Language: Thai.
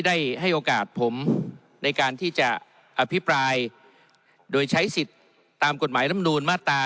ได้ให้โอกาสผมในการที่จะอภิปรายโดยใช้สิทธิ์ตามกฎหมายลำนูลมาตรา